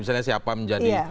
misalnya siapa menjadi